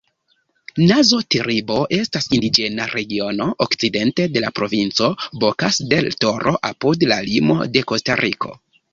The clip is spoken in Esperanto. Nazo-Teribo estas indiĝena regiono okcidente de la provinco Bokas-del-Toro, apud la limo de Kostariko.